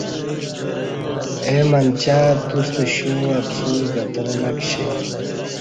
اے منچہ توستہ شیو ں اَپ سل گترہ نہ کشی